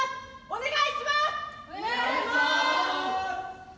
お願いします！